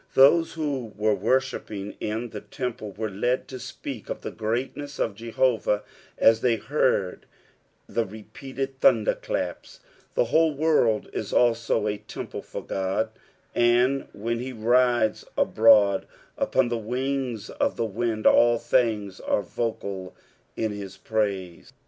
Those who were worship ping in the temple, were led to spesk of the greatness of Jehovah as they heard the repeated thunder claps. The whole world is also a temple for God, and when he rides abroad upon the wings of the wind, all things are vocal in his praise.